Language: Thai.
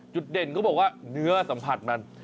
จุดเด่นก็บอกว่าเนื้อสัมผัสมัน